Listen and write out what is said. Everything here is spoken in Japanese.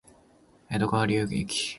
江戸川流域